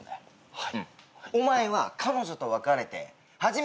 はい。